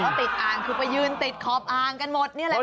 ก็ที่บอกว่าติดอ่างคือไปยืนติดครอบอ่างกันหมดเนี่ยแหละค่ะ